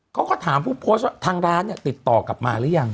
เขาก็ถามผู้โพสต์ว่าทางร้านเนี่ยติดต่อกลับมาหรือยัง